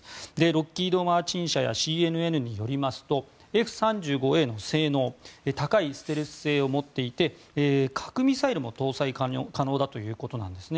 ロッキード・マーチン社やＣＮＮによりますとＦ３５Ａの性能高いステルス性を持っていて核ミサイルも搭載可能だということです。